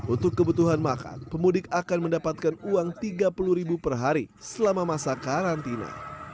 untuk kebutuhan makan pemudik akan mendapatkan uang rp tiga puluh per hari selama masa karantina